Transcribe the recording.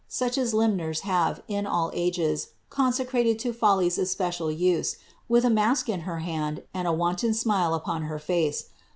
such as limners have, in all ages, eonseeraied to Folly^ apcau use, Willi a mask iii her hand, uid a wanton smile upon ba fiue.